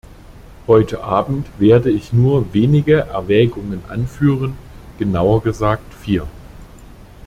Heute Abend werde ich nur wenige Erwägungen anführen, genauer gesagt vier.